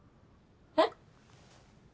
えっ？